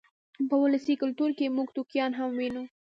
په ولسي کلتور کې موږ ټوکیان هم وینو.